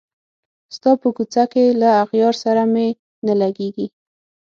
ستا په کوڅه کي له اغیار سره مي نه لګیږي